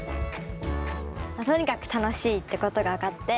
とにかく楽しいってことが分かって